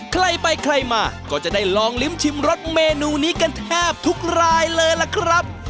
ใครไปใครมาก็จะได้ลองลิ้มชิมรสเมนูนี้กันแทบทุกรายเลยล่ะครับ